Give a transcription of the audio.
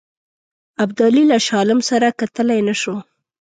ابدالي له شاه عالم سره کتلای نه شو.